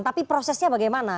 tapi prosesnya bagaimana